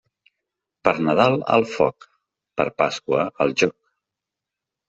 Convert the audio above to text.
Per Nadal al foc, per Pasqua al jóc.